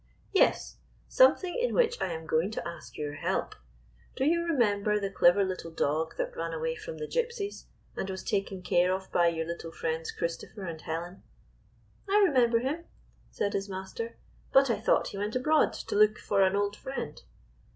" Yes, something in which I am going to ask your help. Do you remember the clever little dog that ran away from the Gypsies, and was taken care of by your little friends, Christopher and Helen?" " I remember him," said his master, " but I thought he went abroad to look for an old friend."